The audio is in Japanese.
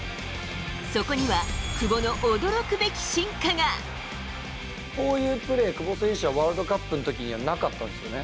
そこには、こういうプレー、久保選手はワールドカップのときにはなかったんですよね。